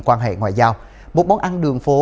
quan hệ ngoại giao một món ăn đường phố